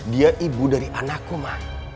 dia ibu dari anakku mah